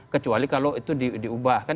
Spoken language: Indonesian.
kecuali kalau itu diubah